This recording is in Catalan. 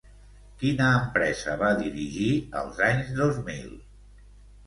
Quina empresa va dirigir als anys dos mil?